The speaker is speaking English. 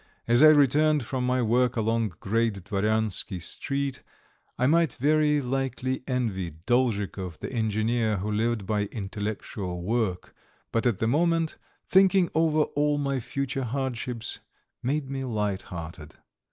as I returned from my work along Great Dvoryansky Street, I might very likely envy Dolzhikov, the engineer, who lived by intellectual work, but, at the moment, thinking over all my future hardships made me light hearted.